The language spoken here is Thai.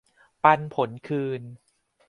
ปันผลคืน